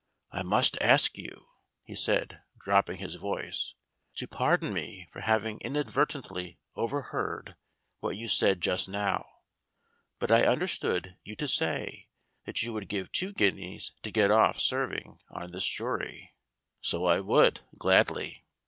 "I must ask you" he said, dropping his voice, "to pardon me for having inadvertently overheard what you said just now. But I understood you to say that you would give two guineas to get off serving on this jury." "So I would gladly."